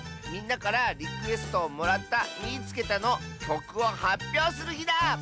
みんなからリクエストをもらった「みいつけた！」のきょくをはっぴょうするひだ！